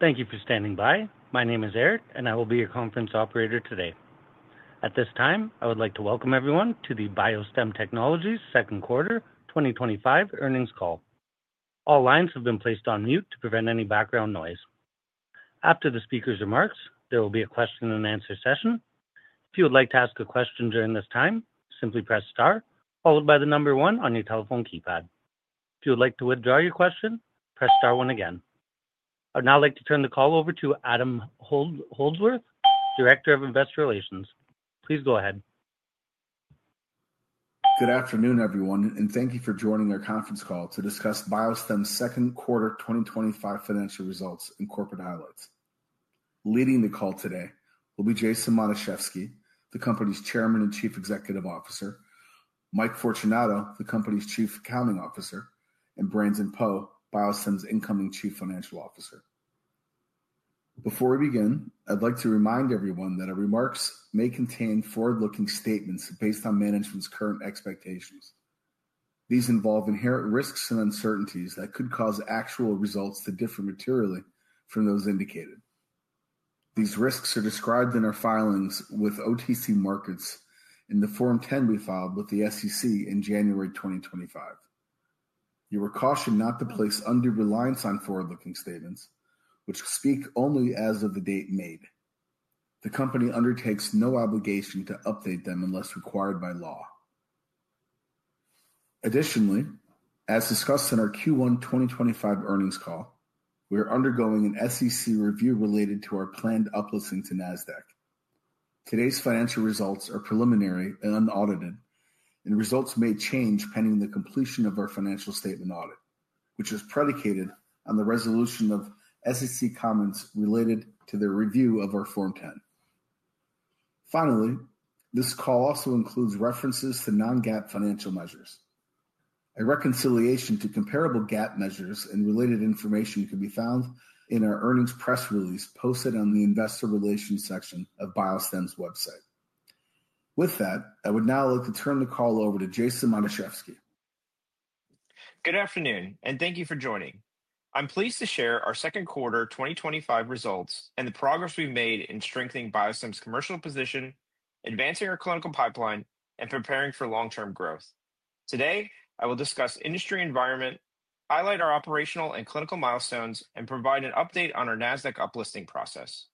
Thank you for standing by. My name is Eric, and I will be your conference operator today. At this time, I would like to welcome everyone to the BioStem Technologies Second Quarter 2025 Earnings Call. All lines have been placed on mute to prevent any background noise. After the speaker's remarks, there will be a question and answer session. If you would like to ask a question during this time, simply press Star, followed by the number one on your telephone keypad. If you would like to withdraw your question, press Star, one again. I would now like to turn the call over to Adam Holdsworth, Director of Investor Relations. Please go ahead. Good afternoon, everyone, and thank you for joining our conference call to discuss BioStem Technologies' Second Quarter 2025 Financial results and corporate highlights. Leading the call today will be Jason Matuszewski, the company's Chairman and Chief Executive Officer, Michael Fortunato, the company's Chief Accounting Officer, and Brandon Poe, BioStem's Incoming Chief Financial Officer. Before we begin, I'd like to remind everyone that our remarks may contain forward-looking statements based on management's current expectations. These involve inherent risks and uncertainties that could cause actual results to differ materially from those indicated. These risks are described in our filings with OTC Markets in the Form 10 we filed with the SEC in January 2025. You are cautioned not to place undue reliance on forward-looking statements, which speak only as of the date made. The company undertakes no obligation to update them unless required by law. Additionally, as discussed in our Q1 2025 earnings call, we are undergoing an SEC review related to our planned uplisting to Nasdaq. Today's financial results are preliminary and unaudited, and results may change pending the completion of our financial statement audit, which is predicated on the resolution of SEC comments related to their review of our Form 10. Finally, this call also includes references to non-GAAP financial measures. A reconciliation to comparable GAAP measures and related information can be found in our earnings press release posted on the Investor Relations section of BioStem Technologies' website. With that, I would now like to turn the call over to Jason Matuszewski. Good afternoon, and thank you for joining. I'm pleased to share our second quarter 2025 results and the progress we've made in strengthening BioStem's commercial position, advancing our clinical pipeline, and preparing for long-term growth. Today, I will discuss the industry environment, highlight our operational and clinical milestones, and provide an update on our Nasdaq uplisting process.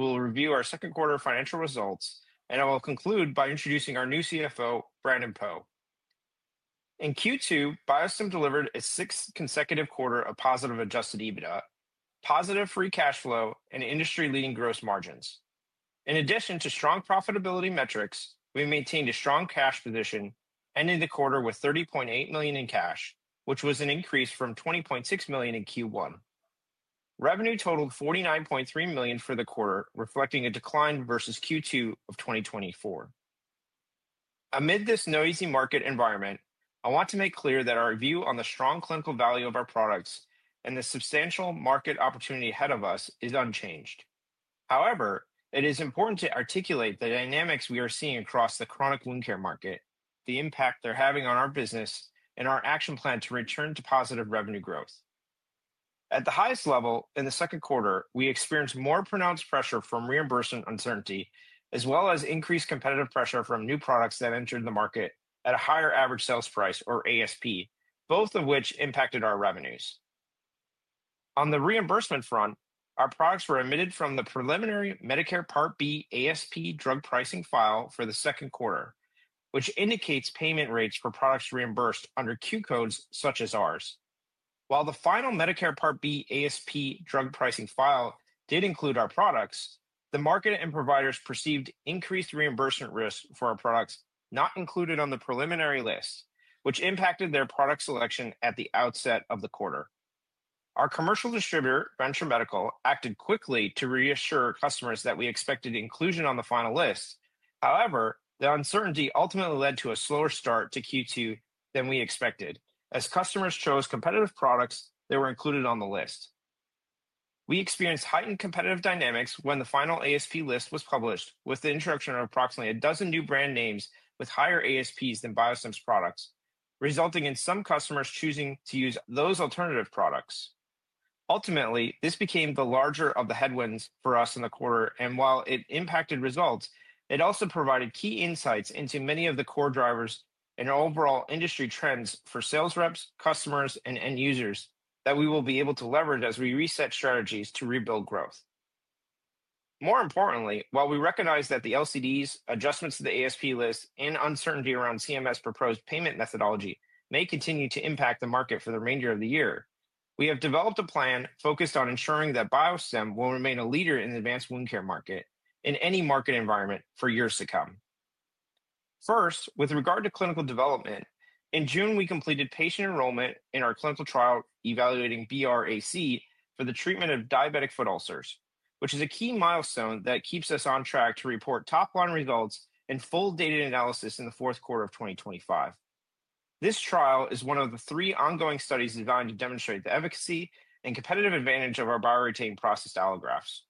After my remarks, I'll turn the call over to Michael Fortunato, who will review our second quarter financial results, and I will conclude by introducing our new CFO, Brandon Poe. In Q2, BioStem Technologies delivered a sixth consecutive quarter of positive adjusted EBITDA, positive free cash flow, and industry-leading gross margins. In addition to strong profitability metrics, we maintained a strong cash position, ending the quarter with $30.8 million in cash, which was an increase from $20.6 million in Q1. Revenue totaled $49.3 million for the quarter, reflecting a decline versus Q2 of 2024. Amid this noisy market environment, I want to make clear that our view on the strong clinical value of our products and the substantial market opportunity ahead of us is unchanged. However, it is important to articulate the dynamics we are seeing across the chronic wound care market, the impact they're having on our business, and our action plan to return to positive revenue growth. At the highest level in the second quarter, we experienced more pronounced pressure from reimbursement uncertainty, as well as increased competitive pressure from new products that entered the market at a higher average sales price, or ASP, both of which impacted our revenues. On the reimbursement front, our products were omitted from the preliminary Medicare Part B ASP drug pricing file for the second quarter, which indicates payment rates for products reimbursed under Q codes such as ours. While the final Medicare Part B ASP drug pricing file did include our products, the market and providers perceived increased reimbursement risks for our products not included on the preliminary lists, which impacted their product selection at the outset of the quarter. Our commercial distributor, Venture Medical, acted quickly to reassure customers that we expected inclusion on the final list. However, the uncertainty ultimately led to a slower start to Q2 than we expected, as customers chose competitive products that were included on the list. We experienced heightened competitive dynamics when the final ASP list was published, with the introduction of approximately a dozen new brand names with higher ASPs than BioStem's products, resulting in some customers choosing to use those alternative products. Ultimately, this became the larger of the headwinds for us in the quarter, and while it impacted results, it also provided key insights into many of the core drivers and overall industry trends for sales reps, customers, and end users that we will be able to leverage as we reset strategies to rebuild growth. More importantly, while we recognize that the LCDs, adjustments to the ASP list, and uncertainty around CMS proposed payment methodology may continue to impact the market for the remainder of the year, we have developed a plan focused on ensuring that BioStem will remain a leader in the advanced wound care market in any market environment for years to come. First, with regard to clinical development, in June, we completed patient enrollment in our clinical trial evaluating BR-AC for the treatment of diabetic foot ulcers, which is a key milestone that keeps us on track to report top line results and full data analysis in the fourth quarter of 2025. This trial is one of the three ongoing studies designed to demonstrate the efficacy and competitive advantage of our BioREtain processed allografts.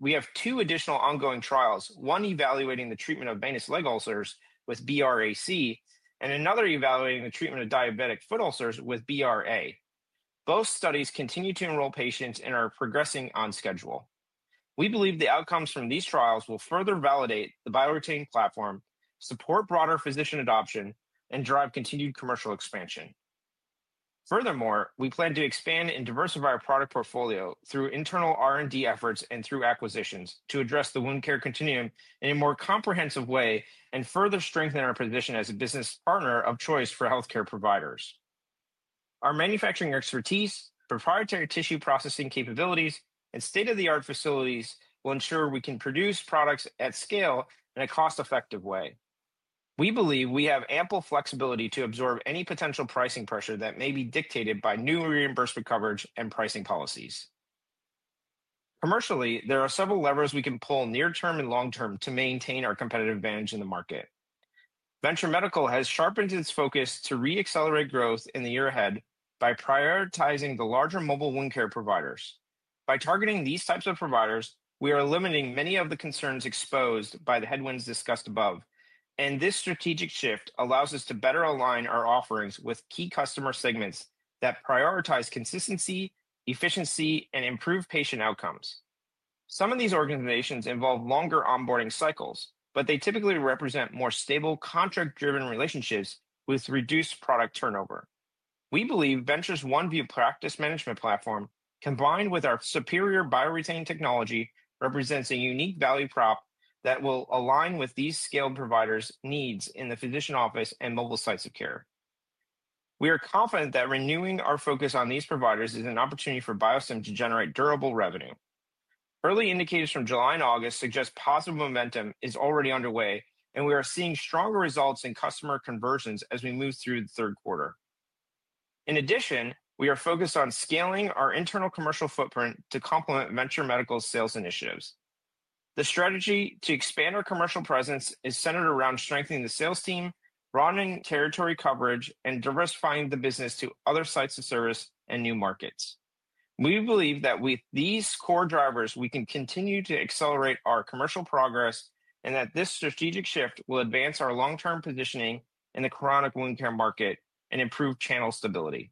We have two additional ongoing trials, one evaluating the treatment of venous leg ulcers with BR-AC and another evaluating the treatment of diabetic foot ulcers with BR-A. Both studies continue to enroll patients and are progressing on schedule. We believe the outcomes from these trials will further validate the BioREtain platform, support broader physician adoption, and drive continued commercial expansion. Furthermore, we plan to expand and diversify our product portfolio through internal R&D efforts and through acquisitions to address the wound care continuum in a more comprehensive way and further strengthen our position as a business partner of choice for healthcare providers. Our manufacturing expertise, proprietary tissue processing capabilities, and state-of-the-art facilities will ensure we can produce products at scale in a cost-effective way. We believe we have ample flexibility to absorb any potential pricing pressure that may be dictated by new reimbursement coverage and pricing policies. Commercially, there are several levers we can pull near-term and long-term to maintain our competitive advantage in the market. Venture Medical has sharpened its focus to re-accelerate growth in the year ahead by prioritizing the larger mobile wound care providers. By targeting these types of providers, we are eliminating many of the concerns exposed by the headwinds discussed above, and this strategic shift allows us to better align our offerings with key customer segments that prioritize consistency, efficiency, and improved patient outcomes. Some of these organizations involve longer onboarding cycles, but they typically represent more stable contract-driven relationships with reduced product turnover. We believe Venture's OneView practice management platform, combined with our superior BioREtain technology, represents a unique value prop that will align with these scaled providers' needs in the physician office and mobile sites of care. We are confident that renewing our focus on these providers is an opportunity for BioStem to generate durable revenue. Early indicators from July and August suggest positive momentum is already underway, and we are seeing stronger results in customer conversions as we move through the third quarter. In addition, we are focused on scaling our internal commercial footprint to complement Venture Medical's sales initiatives. The strategy to expand our commercial presence is centered around strengthening the sales team, broadening territory coverage, and diversifying the business to other sites of service and new markets. We believe that with these core drivers, we can continue to accelerate our commercial progress and that this strategic shift will advance our long-term positioning in the chronic wound care market and improve channel stability.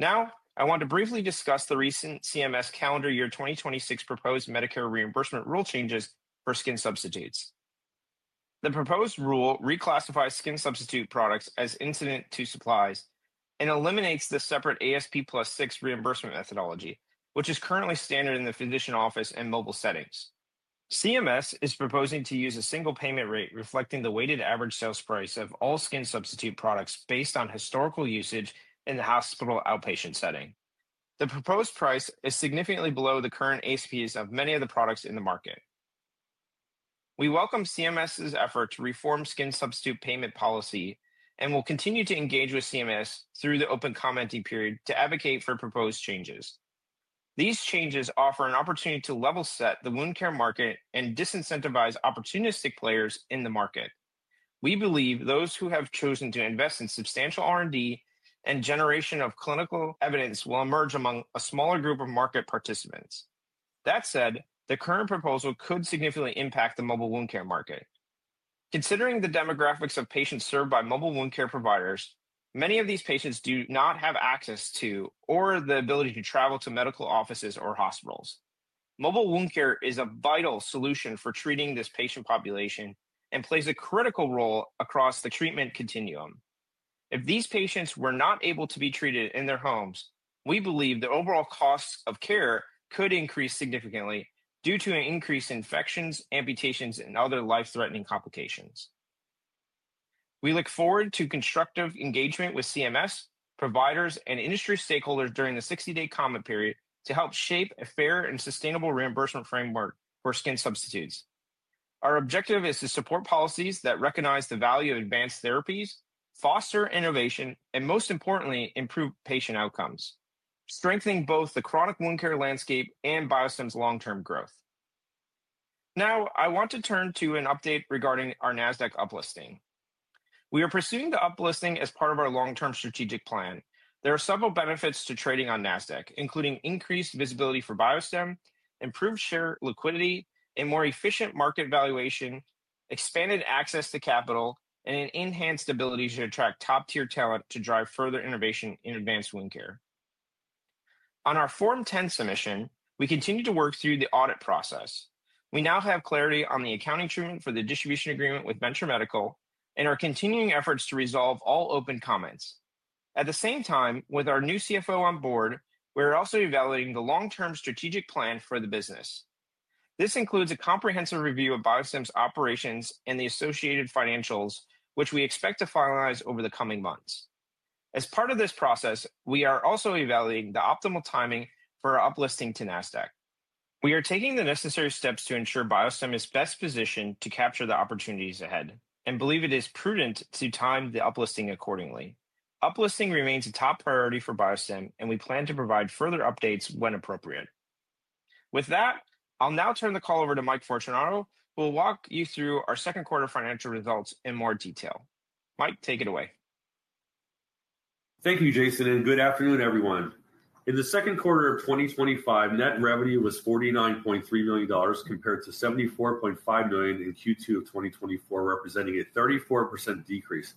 Now, I want to briefly discuss the recent CMS Calendar Year 2026 proposed Medicare reimbursement rule changes for skin substitutes. The proposed rule reclassifies skin substitute products as incident-to-supplies and eliminates the separate ASP +6 reimbursement methodology, which is currently standard in the physician office and mobile settings. CMS is proposing to use a single payment rate reflecting the weighted average sales price of all skin substitute products based on historical usage in the hospital outpatient setting. The proposed price is significantly below the current ASPs of many of the products in the market. We welcome CMS's effort to reform skin substitute payment policy and will continue to engage with CMS through the open commenting period to advocate for proposed changes. These changes offer an opportunity to level set the wound care market and disincentivize opportunistic players in the market. We believe those who have chosen to invest in substantial R&D and generation of clinical evidence will emerge among a smaller group of market participants. That said, the current proposal could significantly impact the mobile wound care market. Considering the demographics of patients served by mobile wound care providers, many of these patients do not have access to or the ability to travel to medical offices or hospitals. Mobile wound care is a vital solution for treating this patient population and plays a critical role across the treatment continuum. If these patients were not able to be treated in their homes, we believe the overall cost of care could increase significantly due to an increase in infections, amputations, and other life-threatening complications. We look forward to constructive engagement with CMS, providers, and industry stakeholders during the 60-day comment period to help shape a fair and sustainable reimbursement framework for skin substitutes. Our objective is to support policies that recognize the value of advanced therapies, foster innovation, and most importantly, improve patient outcomes, strengthening both the chronic wound care landscape and BioStem's long-term growth. Now, I want to turn to an update regarding our Nasdaq uplisting. We are pursuing the uplisting as part of our long-term strategic plan. There are several benefits to trading on Nasdaq, including increased visibility for BioStem, improved share liquidity, a more efficient market valuation, expanded access to capital, and an enhanced ability to attract top-tier talent to drive further innovation in advanced wound care. On our Form 10 submission, we continue to work through the audit process. We now have clarity on the accounting treatment for the distribution agreement with Venture Medical and are continuing efforts to resolve all open comments. At the same time, with our new CFO on board, we are also evaluating the long-term strategic plan for the business. This includes a comprehensive review of BioStem's operations and the associated financials, which we expect to finalize over the coming months. As part of this process, we are also evaluating the optimal timing for our uplisting to Nasdaq. We are taking the necessary steps to ensure BioStem is best positioned to capture the opportunities ahead and believe it is prudent to time the uplisting accordingly. Uplisting remains a top priority for BioStem, and we plan to provide further updates when appropriate. With that, I'll now turn the call over to Mike Fortunato, who will walk you through our second quarter financial results in more detail. Mike, take it away. Thank you, Jason, and good afternoon, everyone. In the second quarter of 2025, net revenue was $49.3 million compared to $74.5 million in Q2 of 2024, representing a 34% decrease.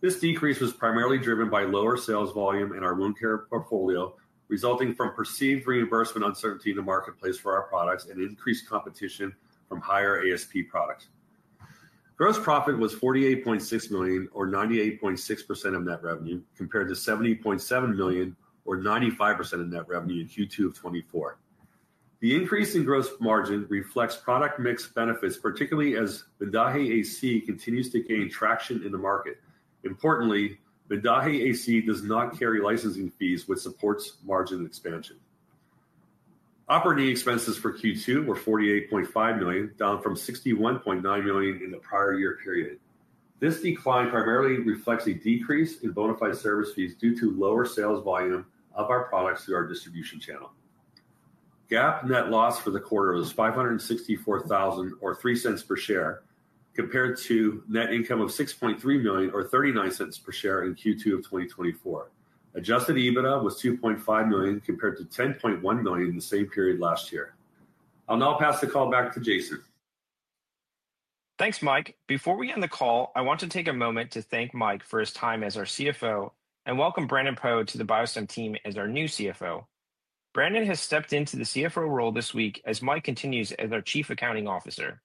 This decrease was primarily driven by lower sales volume in our wound care portfolio, resulting from perceived reimbursement uncertainty in the marketplace for our products and increased competition from higher ASP products. Gross profit was $48.6 million, or 98.6% of net revenue, compared to $70.7 million, or 95% of net revenue in Q2 of 2024. The increase in gross margin reflects product mix benefits, particularly as VENDAJE AC continues to gain traction in the market. Importantly, VENDAJE AC does not carry licensing fees, which supports margin expansion. Operating expenses for Q2 were $48.5 million, down from $61.9 million in the prior year period. This decline primarily reflects a decrease in bona fide service fees due to lower sales volume of our products through our distribution channel. GAAP net loss for the quarter was $564,000, or $0.03 per share, compared to net income of $6.3 million, or $0.39 per share in Q2 of 2024. Adjusted EBITDA was $2.5 million, compared to $10.1 million in the same period last year. I'll now pass the call back to Jason. Thanks, Mike. Before we end the call, I want to take a moment to thank Mike for his time as our CFO and welcome Brandon Poe to the BioStem team as our new CFO. Brandon has stepped into the CFO role this week as Mike continues as our Chief Accounting Officer.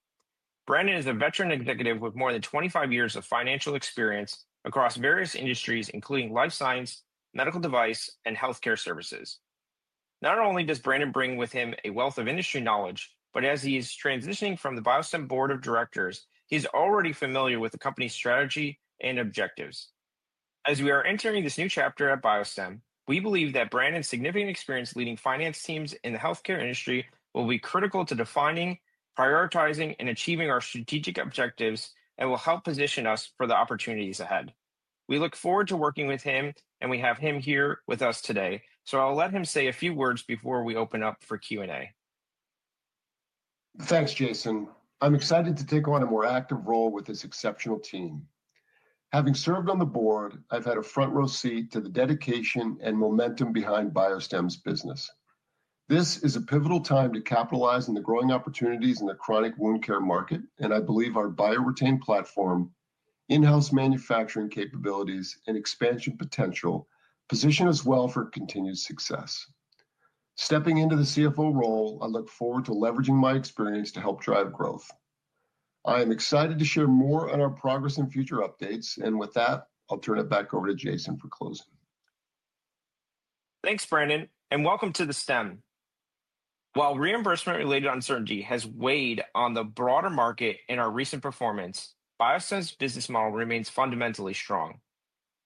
Brandon is a veteran executive with more than 25 years of financial experience across various industries, including life science, medical device, and healthcare services. Not only does Brandon bring with him a wealth of industry knowledge, but as he's transitioning from the BioStem Board of Directors, he's already familiar with the company's strategy and objectives. As we are entering this new chapter at BioStem, we believe that Brandon's significant experience leading finance teams in the healthcare industry will be critical to defining, prioritizing, and achieving our strategic objectives and will help position us for the opportunities ahead. We look forward to working with him, and we have him here with us today. I'll let him say a few words before we open up for Q&A. Thanks, Jason. I'm excited to take on a more active role with this exceptional team. Having served on the board, I've had a front-row seat to the dedication and momentum behind BioStems' business. This is a pivotal time to capitalize on the growing opportunities in the chronic wound care market, and I believe our BioREtain platform, in-house manufacturing capabilities, and expansion potential position us well for continued success. Stepping into the CFO role, I look forward to leveraging my experience to help drive growth. I am excited to share more on our progress and future updates, and with that, I'll turn it back over to Jason for closing. Thanks, Brandon, and welcome to the team. While reimbursement-related uncertainty has weighed on the broader market in our recent performance, BioStem's business model remains fundamentally strong.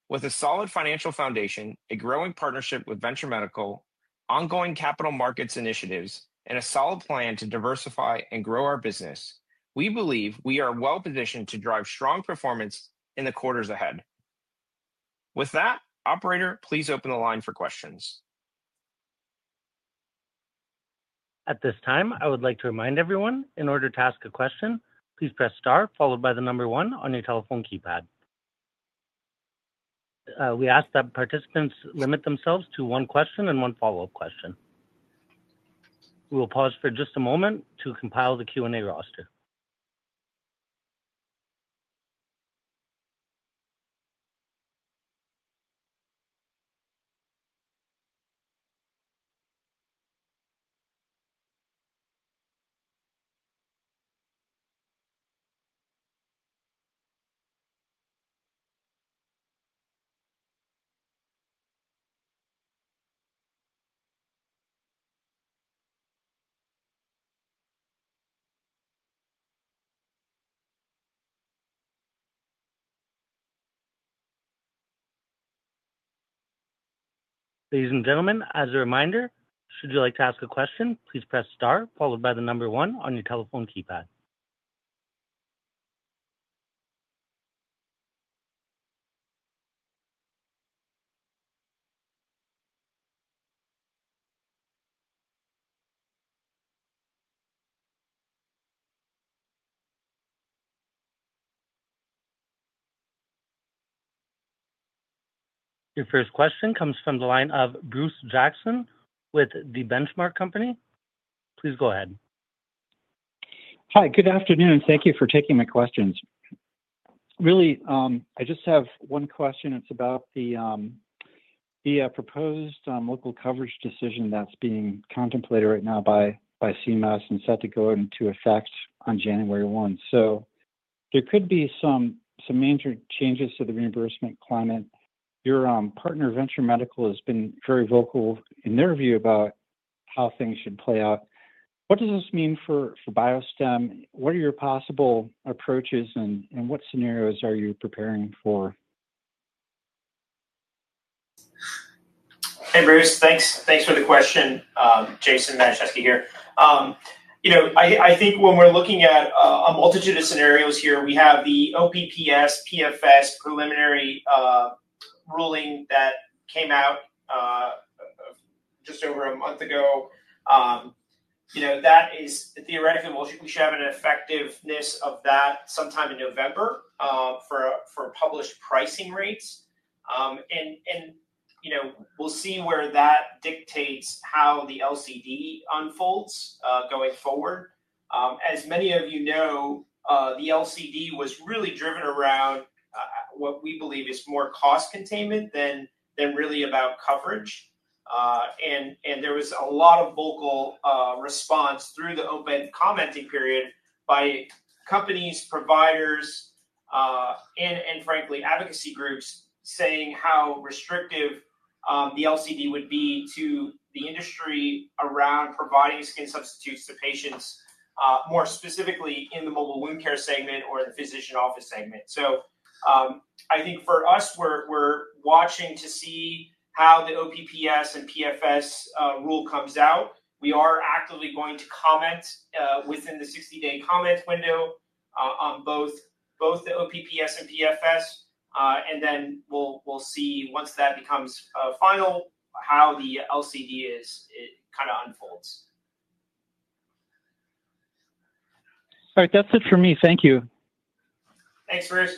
With a solid financial foundation, a growing partnership with Venture Medical, ongoing capital markets initiatives, and a solid plan to diversify and grow our business, we believe we are well-positioned to drive strong performance in the quarters ahead. With that, operator, please open the line for questions. At this time, I would like to remind everyone, in order to ask a question, please press Star followed by the number one on your telephone keypad. We ask that participants limit themselves to one question and one follow-up question. We will pause for just a moment to compile the Q&A roster. Ladies and gentlemen, as a reminder, should you like to ask a question, please press Star followed by the number one on your telephone keypad. Your first question comes from the line of Bruce Jackson with The Benchmark Company. Please go ahead. Hi, good afternoon. Thank you for taking my questions. Really, I just have one question. It's about the proposed local coverage decision that's being contemplated right now by CMS and set to go into effect on January 1. There could be some major changes to the reimbursement climate. Your partner, Venture Medical, has been very vocal in their view about how things should play out. What does this mean for BioStem Technologies? What are your possible approaches and what scenarios are you preparing for? Bruce, thanks for the question. Jason, nice to hear. I think when we're looking at a multitude of scenarios here, we have the OPPS, PFS preliminary ruling that came out just over a month ago. That is theoretically we'll be able to have an effectiveness of that sometime in November for published pricing rates. We'll see where that dictates how the LCD unfolds going forward. As many of you know, the LCD was really driven around what we believe is more cost containment than really about coverage. There was a lot of vocal response through the open commenting period by companies, providers, and frankly, advocacy groups saying how restrictive the LCD would be to the industry around providing skin substitutes to patients, more specifically in the mobile wound care segment or the physician office segment. I think for us, we're watching to see how the OPPS and PFS rule comes out. We are actively going to comment within the 60-day comment window on both the OPPS and PFS. We'll see once that becomes final how the LCD kind of unfolds. All right, that's it for me. Thank you. Thanks, Bruce.